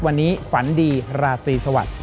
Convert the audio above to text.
วันนี้ฝันดีราตรีสวัสดิ